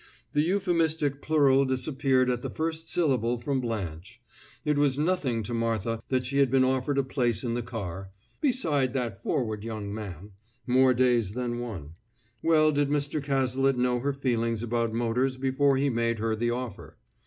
The euphemistic plural disappeared at the first syllable from Blanche. It was nothing to Martha that she had been offered a place in the car (beside that forward young man) more days than one; well did Mr. Cazalet know her feelings about motors before he made her the offer.